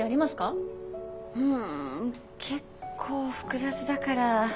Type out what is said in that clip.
うん結構複雑だから。